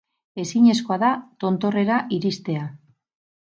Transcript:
Ezinezkoa da tontorrera iristea.